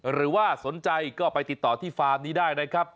หรือว่าสนใจก็ไปติดต่อที่ฟาร์มนี้ได้นะครับ